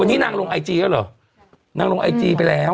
วันนี้นางลงไอจีแล้วเหรอนางลงไอจีไปแล้ว